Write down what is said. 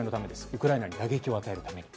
ウクライナに打撃を与えるために。